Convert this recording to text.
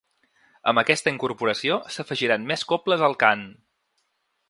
Amb aquesta incorporació s’afegiran més cobles al cant.